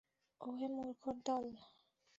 ওহ, মূর্খের দল!